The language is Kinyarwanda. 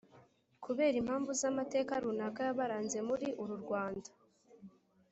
kubera impamvu z’amateka runaka yabaranze muri uru Rwanda.